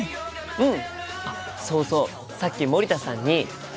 うん。